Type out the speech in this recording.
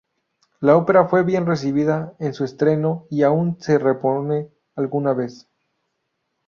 La ópera fue bien recibida en su estreno y aún se repone alguna vez.